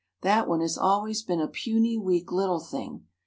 That one has always been a puny, weak little thing.